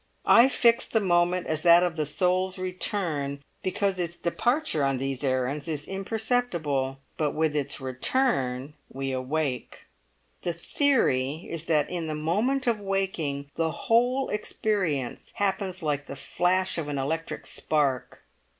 I fix the moment as that of the soul's return because its departure on these errands is imperceptible, but with its return we awake. The theory is that in the moment of waking the whole experience happens like the flash of an electric spark."